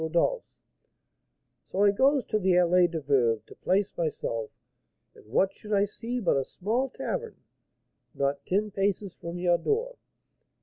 Rodolph's.' So I goes to the Allée des Veuves to place myself, and what should I see but a small tavern, not ten paces from your door!